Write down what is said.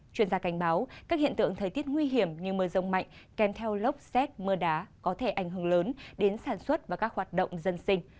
chuyên gia cảnh báo các hiện tượng thời tiết nguy hiểm như mưa rông mạnh kèm theo lốc xét mưa đá có thể ảnh hưởng lớn đến sản xuất và các hoạt động dân sinh